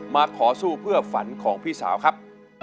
มาขอสู้เพื่อฝันของพี่สาวครับ